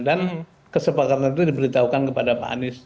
kesepakatan itu diberitahukan kepada pak anies